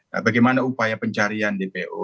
nah bagaimana upaya pencarian dpo